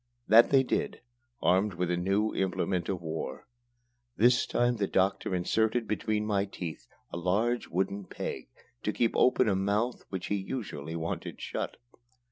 That they did, armed with a new implement of war. This time the doctor inserted between my teeth a large wooden peg to keep open a mouth which he usually wanted shut.